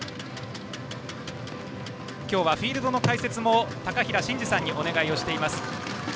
今日はフィールドの解説も高平慎士さんにお願いしています。